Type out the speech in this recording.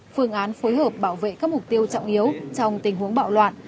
phương án phối hợp bảo vệ các mục tiêu trọng yếu trong tình huống bạo loạn